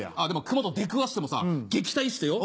熊と出くわしてもさ撃退してよ